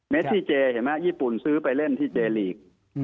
ที่เจเห็นไหมญี่ปุ่นซื้อไปเล่นที่เจลีก